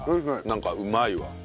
なんかうまいわ。